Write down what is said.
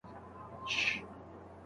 علما چوپ نه وو، خو اغېز کم و.